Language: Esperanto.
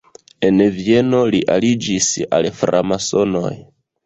En Vieno li aliĝis al framasonoj.